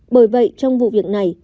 bởi vậy trong vụ việc này